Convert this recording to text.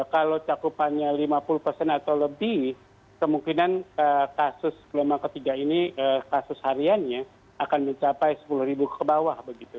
kalau cakupannya lima puluh persen atau lebih kemungkinan kasus gelombang ketiga ini kasus hariannya akan mencapai sepuluh ribu ke bawah begitu